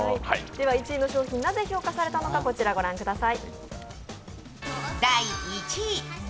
１位の商品、なぜ評価されたのかこちら御覧ください。